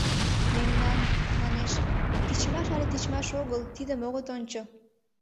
— Мемнан, — манеш, — тичмаш але тичмаш огыл — тидым огыт ончо.